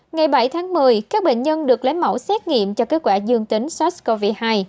ngày bảy tháng một mươi các bệnh nhân được lấy mẫu xét nghiệm cho kết quả dương tính sars cov hai